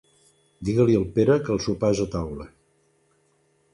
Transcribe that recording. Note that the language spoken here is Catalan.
Digue-li al Pere que el sopar és a taula.